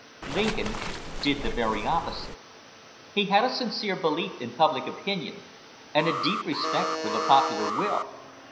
Lincoln did the very opposite. He had a sincere belief in public opinion, and a deep respect for the popular will.